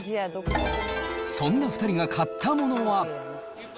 そんな２人が買ったものは。